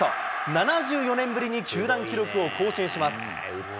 ７４年ぶりに球団記録を更新します。